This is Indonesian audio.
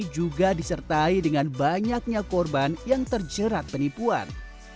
juga disertai dengan banyaknya korban yang terjerat penipuan